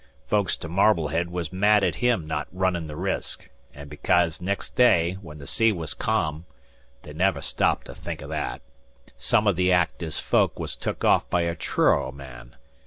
Folks to Marblehead was mad at him not runnin' the risk, and becaze nex' day, when the sea was ca'am (they never stopped to think o' that), some of the Active's folks was took off by a Truro man.